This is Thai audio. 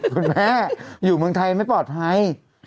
คุณแม่อยู่เมืองไทยไม่ปลอดภัย